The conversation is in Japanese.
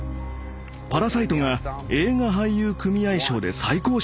「パラサイト」が映画俳優組合賞で最高賞を取ったんだ。